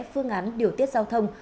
phương án điều tiết giao thông